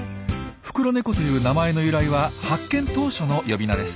フクロネコという名前の由来は発見当初の呼び名です。